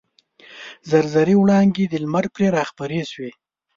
زر زري وړانګې د لمر پرې راخپرې شوې.